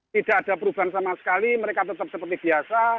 tidak ada perubahan sama sekali mereka tetap seperti biasa